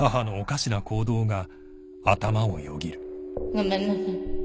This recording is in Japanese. ごめんなさい